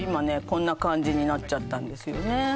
こんな感じになっちゃったんですよね